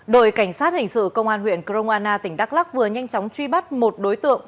đội cảnh sát hình sự công an huyện crong anna tỉnh đắk lắc vừa nhanh chóng truy bắt một đối tượng